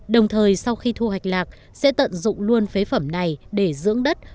đồng thời sau khi thu hoạch lạc sẽ tận dụng luôn phế phẩm này để dưỡng đất